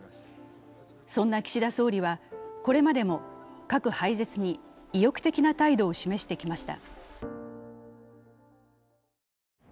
そんな岸田総理は、これまでも核廃絶に意欲的な態度を示してきました。